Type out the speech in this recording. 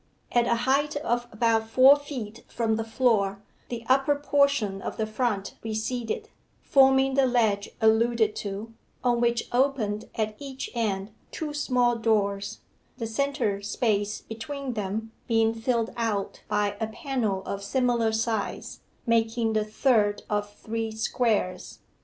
At a height of about four feet from the floor the upper portion of the front receded, forming the ledge alluded to, on which opened at each end two small doors, the centre space between them being filled out by a panel of similar size, making the third of three squares.